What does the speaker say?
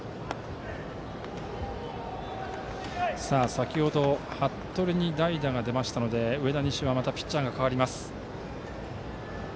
先程、服部に代打が出ましたので上田西はまたピッチャーが代わります。